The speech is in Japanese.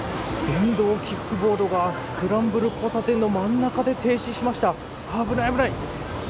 電動キックボードがスクランブル交差点の真ん中で停止しました、危ない、危ない。